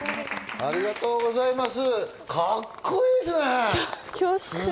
ありがとうございます。